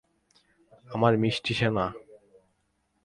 আমার মিষ্টি সোনা!